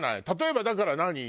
例えばだから何？